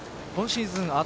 今シーズン